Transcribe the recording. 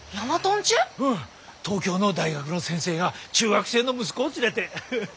東京の大学の先生が中学生の息子を連れて。